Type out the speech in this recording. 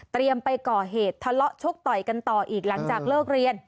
ไปก่อเหตุทะเลาะชกต่อยกันต่ออีกหลังจากเลิกเรียน